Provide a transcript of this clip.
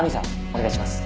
お願いします」